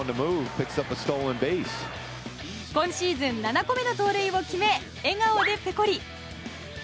今シーズン７個目の盗塁を決め笑顔でペコリ。